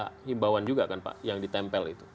ada himbauan juga kan pak yang ditempel itu